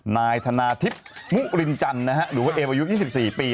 นายธนาทิพย์มุรินจันทร์หรือว่าเอมอายุ๒๔ปี